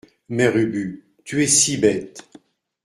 Mère Ubu Tu es si bête !